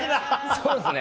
そうですね。